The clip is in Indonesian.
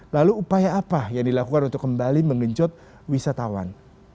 lalu upaya apa yang dilakukan untuk kembali mengenjot wisatawan